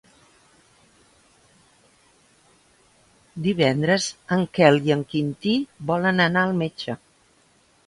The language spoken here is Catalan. Divendres en Quel i en Quintí volen anar al metge.